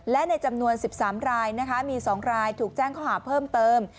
และในจำนวน๑๓รายนะคะมี๒รายถูกแจ้งข้อหาเพิ่มเติม